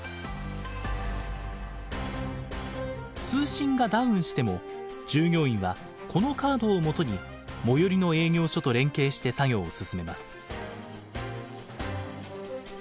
通信がダウンしても従業員はこのカードを基に最寄りの営業所と連携して作業を進めます。